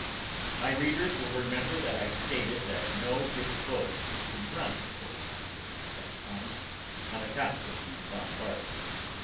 My readers will remember that I stated that no big boat could run to Fort Sumter at that time, on account of the bombardment.